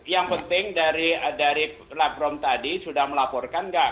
yang penting dari lab rom tadi sudah melaporkan tidak